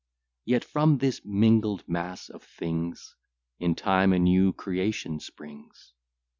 Yet, from this mingled mass of things, In time a new creation springs.